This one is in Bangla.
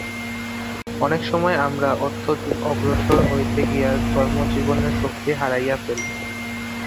অনেক সময় আমরা অত্যধিক অগ্রসর হইতে গিয়া ধর্মজীবনের শক্তি হারাইয়া ফেলি।